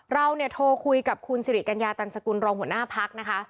เราเนี่ยโทรคุยกับคุณสิริกัญญาตันสกุลรองหัวหน้าพักนะคะ